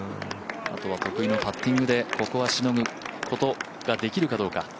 あとは得意のパッティングでしのぐことができるかどうか。